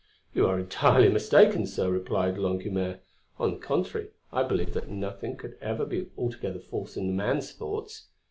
"You are entirely mistaken, sir," replied Longuemare. "On the contrary, I believe that nothing could ever be altogether false in a man's thoughts.